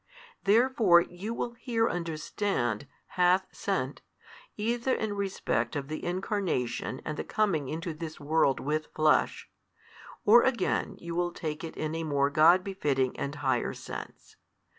Therefore you will here understand hath sent, either in respect of the Incarnation and the Coming into this world with Flesh: or again you will take it in a more God befitting and higher sense.